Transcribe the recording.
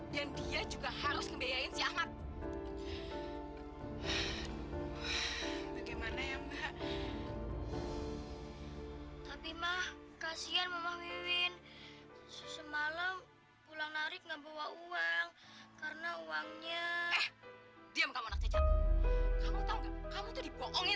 sampai jumpa di video selanjutnya